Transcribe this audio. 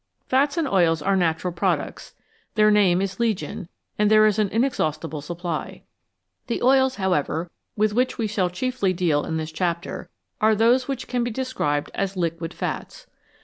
Fats and oils are natural products, their name is legion, and there is an inexhaustible supply. The oils, however, with which we shall chiefly deal in this chapter, are those which can be described as liquid fats.